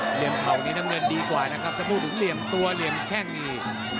เหลี่ยมเข่านี้น้ำเงินดีกว่านะครับถ้าพูดถึงเหลี่ยมตัวเหลี่ยมแข้งนี่